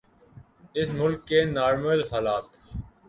اس ملک کے نارمل حالات۔